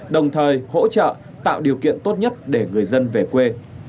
đồng thời hỗ trợ tạo điều kiện tốt nhất để người dân về quê